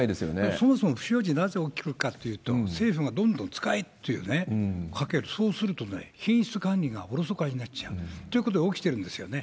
そもそも不祥事なぜ起きるかというと、政府がどんどん使えっていうね、そうすると、品質管理がおろそかになっちゃうということが起きてるんですよね。